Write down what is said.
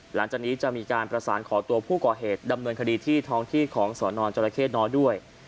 หลังจากนี้จะมีการประสานขอตัวผู้ก่อเหตุดำเนินคดีที่ท้องที่ของสอนอนจรเข้น้อยด้วย